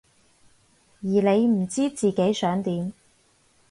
而你唔知自己想點？